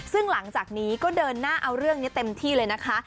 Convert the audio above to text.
ซึ่งหลังจากนี้ก็เดินหน้าเอาเรื่องนี้เต็มที่เลยนะคะ